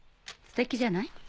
すてきじゃない。